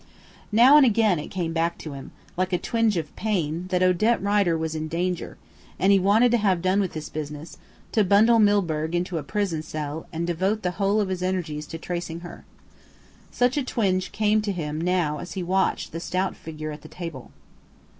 Now and again it came back to him, like a twinge of pain, that Odette Rider was in danger; and he wanted to have done with this business, to bundle Milburgh into a prison cell, and devote the whole of his energies to tracing her. Such a twinge came to him now as he watched the stout figure at the table.